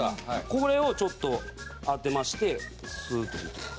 これをちょっと当てましてスーッと引いていく。